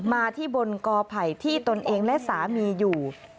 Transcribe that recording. มาที่บนกอไผ่ที่ตนเองและสามีอยู่